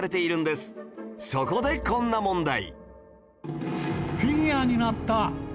そこでこんな問題